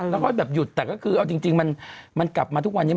แล้วก็แบบหยุดแต่ก็คือเอาจริงมันกลับมาทุกวันนี้